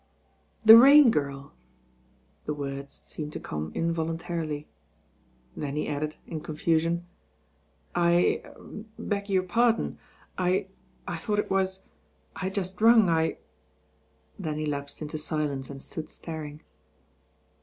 'The Rain43irl!'» The wordt teemed to come involuntarily. Then he added in confusion, "I— er beg your pardon. I—I thought it was— I had just rung, I '* Then he lapsed uito sUence and stood staring.